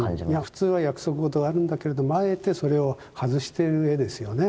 普通は約束事があるんだけれどもあえてそれを外している絵ですよね。